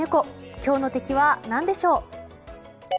今日の敵は何でしょう。